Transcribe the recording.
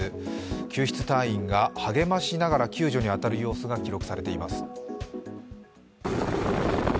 救出隊員が励ましながら救助に当たる様子が記録されています。